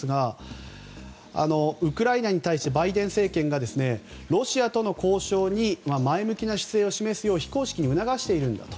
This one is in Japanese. ウクライナに対してバイデン政権がロシアとの交渉に前向きな姿勢を示すよう非公式に促しているんだと。